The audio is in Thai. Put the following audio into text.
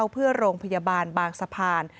เพื่อโรงพยาบาลบางสะพาน